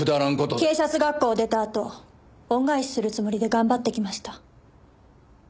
警察学校を出たあと恩返しするつもりで頑張ってきました。